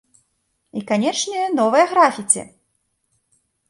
І, канечне, новыя графіці!